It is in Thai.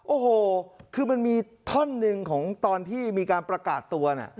โอ้โหคือมันมีท่อนหนึ่งของตอนที่มีการประกาศตัวน่ะ